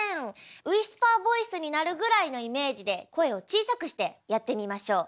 ウイスパーボイスになるぐらいのイメージで声を小さくしてやってみましょう。